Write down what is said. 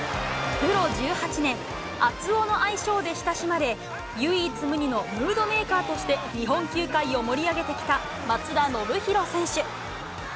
プロ１８年、熱男の愛称で親しまれ、唯一無二のムードメーカーとして日本球界を盛り上げてきた松田宣浩選手。